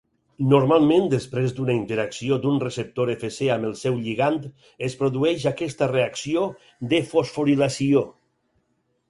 Normalment, després d'una interacció d'un receptor Fc amb el seu lligand es produeix aquesta reacció de fosforilació.